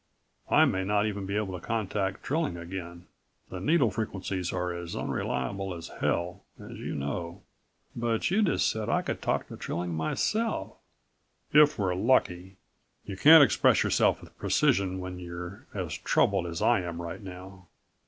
I may not even be able to contact Trilling again. The needle frequencies are as unreliable as hell, as you know." "But you just said I could talk to Trilling myself " "If we're lucky. You can't express yourself with precision when you're as troubled as I am right now."